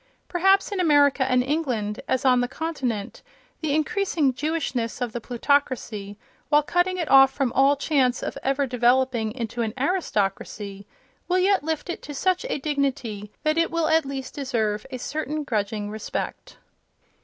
Perhaps in America and England, as on the Continent, the increasing Jewishness of the plutocracy, while cutting it off from all chance of ever developing into an aristocracy, will yet lift it to such a dignity that it will at least deserve a certain grudging respect.